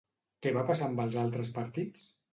Què va passar amb els altres partits?